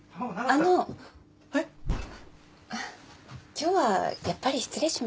今日はやっぱり失礼します。